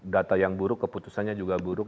data yang buruk keputusannya juga buruk